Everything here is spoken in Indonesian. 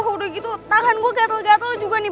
udah gitu tangan gue gatel gatel juga nih